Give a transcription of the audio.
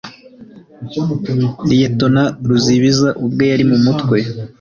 liyetona ruzibiza ubwe yari mu mutwe